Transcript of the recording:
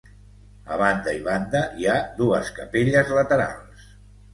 A banda i banda hi ha dues capelles laterals.